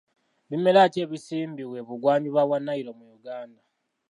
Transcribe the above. Bimera ki ebisimbibwa ebugwa njuba bwa Nile mu Uganda?